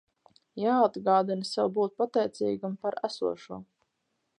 Jāatgādina sev būt pateicīgam par esošo!